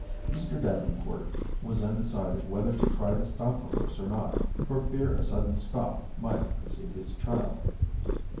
Mr. Davenport was undecided whether to try to stop the horse or not, for fear a sudden stop might unseat his child.